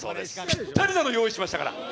ぴったりなの用意しましたから。